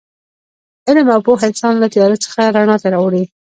علم او پوهه انسان له تیاره څخه رڼا ته وړي.